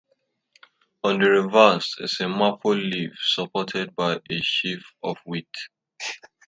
On the reverse is a maple leaf supported by a sheaf of wheat.